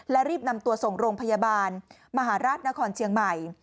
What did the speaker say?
และรีบนำตัวส่งโรงพยาบาลมหาราชนครเชียงใหม่